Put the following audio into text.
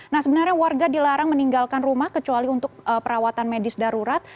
nah sebenarnya warga dilarang meninggalkan rumah kecuali untuk perawatan medis darurat